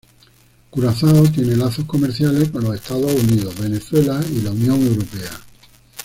Curazao tiene lazos comerciales con los Estados Unidos, Venezuela y la Unión Europea.